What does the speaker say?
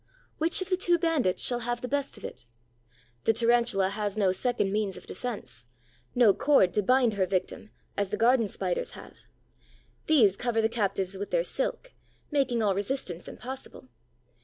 Which of the two bandits shall have the best of it? The Tarantula has no second means of defense, no cord to bind her victim, as the Garden Spiders have. These cover the captives with their silk, making all resistance impossible.